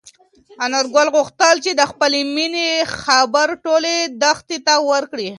انارګل غوښتل چې د خپلې مېنې خبر ټولې دښتې ته ورکړي.